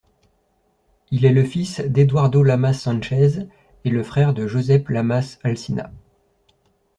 Il est le fils d'Eduardo Lamas Sánchez et le frère de Josep Lamas Alsina.